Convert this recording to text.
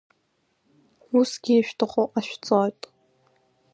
Усгьы ишәҭаху ҟашәҵоит.